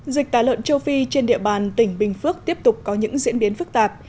dịch tả lợn châu phi trên địa bàn tỉnh bình phước tiếp tục có những diễn biến phức tạp